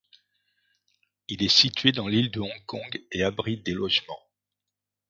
Il est situé dans l'île de Hong Kong et abrite des logements.